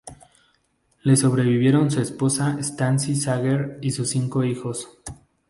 Le sobrevivieron su esposa Stacy Sager y sus cinco hijos.